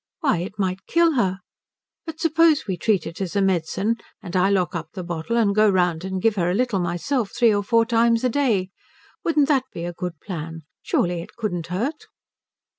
Why, it might kill her. But suppose we treat it as a medicine, and I lock up the bottle and go round and give her a little myself three or four times a day wouldn't that be a good plan? Surely it couldn't hurt?"